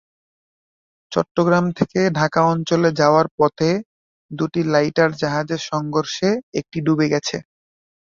চট্টগ্রাম থেকে ঢাকা অঞ্চলে যাওয়ার পথে দুটি লাইটার জাহাজের সংঘর্ষে একটি ডুবে গেছে।